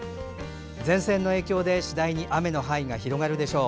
前線の影響で次第に雨の範囲が広がるでしょう。